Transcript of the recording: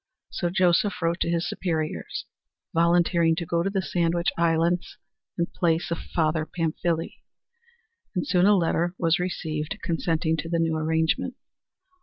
So Joseph wrote to his superiors, volunteering to go to the Sandwich Islands in place of Father Pamphile, and soon a letter was received consenting to the new arrangement.